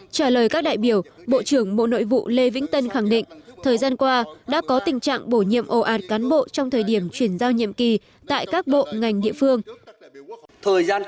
trả lời các đại biểu bộ trưởng bộ nội vụ lê vĩnh tân khẳng định thời gian qua đã có tình trạng bổ nhiệm ồ ạt cán bộ trong thời điểm chuyển giao nhiệm kỳ tại các bộ ngành địa phương